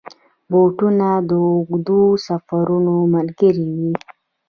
بوټونه د اوږدو سفرونو ملګري وي.